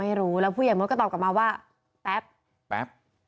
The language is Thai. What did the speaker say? ไม่รู้แล้วผู้ใหญ่มดก็ตอบกลับมาว่าแป๊บแป๊บ